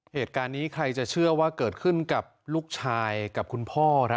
เหตุการณ์นี้ใครจะเชื่อว่าเกิดขึ้นกับลูกชายกับคุณพ่อครับ